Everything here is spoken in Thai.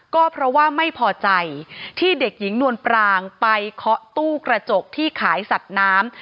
ก็เพราะว่าไม่พอใจที่เด็กหญิงนวลปรางไปเคาะตู้กระจกที่ขายสัตว์น้ำ